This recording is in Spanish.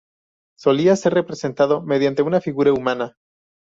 Solía ser representado mediante una figura humana.